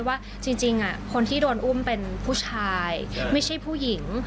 ว่าจริงคนที่โดนอุ้มเป็นผู้ชายไม่ใช่ผู้หญิง